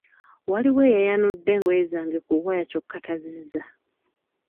Waliwo eyayanudde engoye zange ku waya kyokka tazizza.